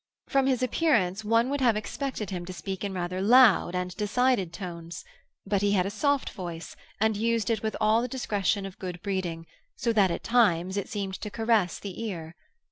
From his appearance one would have expected him to speak in rather loud and decided tones; but he had a soft voice, and used it with all the discretion of good breeding, so that at times it seemed to caress the ear.